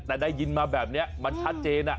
แต่ได้ยินมาแบบนี้มันชัดเจน